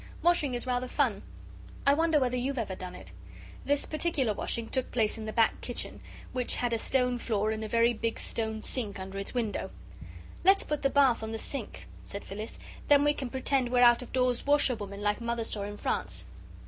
Washing is rather fun. I wonder whether you've ever done it? This particular washing took place in the back kitchen, which had a stone floor and a very big stone sink under its window. "Let's put the bath on the sink," said Phyllis; "then we can pretend we're out of doors washerwomen like Mother saw in France."